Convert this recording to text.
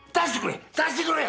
出してくれ。